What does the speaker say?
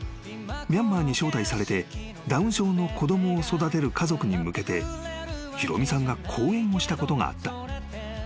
［ミャンマーに招待されてダウン症の子供を育てる家族に向けてひろ実さんが講演をしたことがあった］